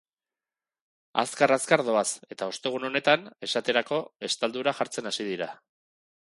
Azkar-azkar doaz eta ostegun honetan, esaterako, estaldura jartzen hasi dira.